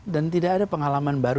dan tidak ada pengalaman baru